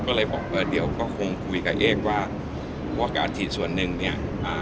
ก็เลยบอกว่าเดี๋ยวก็คุยก่อนกับเอ็กซ์ว่าอาทิตย์ส่วนหนึ่งเนี่ย